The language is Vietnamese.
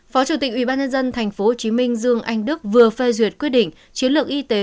phó chủ tịch ubnd tp hcm dương anh đức vừa phê duyệt quyết định chiến lược y tế